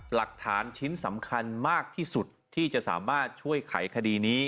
หลักฐานชิ้นสำคัญมากที่สุดที่จะสามารถช่วยไขคดีนี้